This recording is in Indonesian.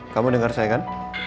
kamu denger saya kan